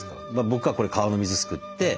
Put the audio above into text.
僕はこれ川の水すくって。